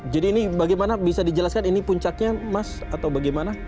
jadi ini bagaimana bisa dijelaskan ini puncaknya mas atau bagaimana